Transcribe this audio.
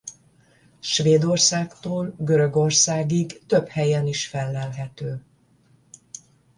Svédországtól Görögországig több helyen is fellelhető.